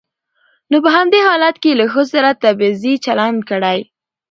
نو په همدې حالت کې يې له ښځو سره تبعيضي چلن کړى.